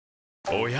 おや？